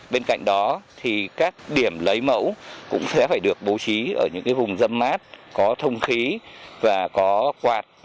bên cạnh đó thì các điểm lấy mẫu cũng sẽ phải được bố trí ở những vùng dâm mát có thông khí và có quạt